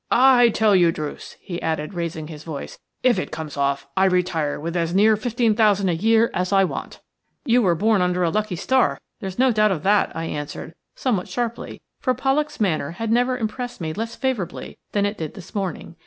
I tell you, Druce," he added, raising his voice, "if it comes off I retire with as near fifteen thousand a year as I want." "You were born under a lucky star, there's no doubt of that," I answered, somewhat sharply, for Pollak's manner had never impressed me less favourably than it did this morning.